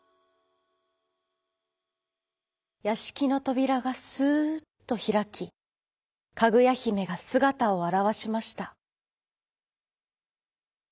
やしきのとびらがすっとひらきかぐやひめがすがたをあらわしました。